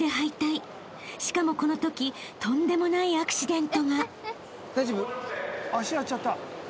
［しかもこのときとんでもないアクシデントが］